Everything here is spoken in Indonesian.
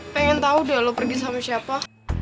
pengen tahu deh lo pergi sama siapa